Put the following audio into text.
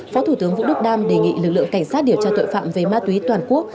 phó thủ tướng vũ đức đam đề nghị lực lượng cảnh sát điều tra tội phạm về ma túy toàn quốc